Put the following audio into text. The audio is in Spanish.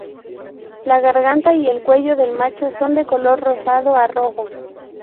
La garganta y el cuello del macho son de color rosado a rojo.